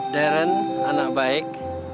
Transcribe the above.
darren anak baik